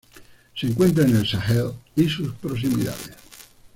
Se encuentra en el Sahel y sus proximidades.